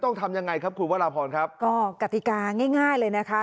ต้องทำยังไงครับคุณวราพรครับก็กติกาง่ายง่ายเลยนะคะ